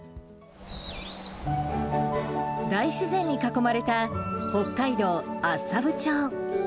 大自然に囲まれた北海道厚沢部町。